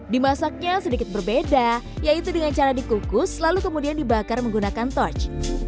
dimasaknya sedikit berbeda yaitu dengan cara dikukus lalu kemudian dibakar menggunakan touch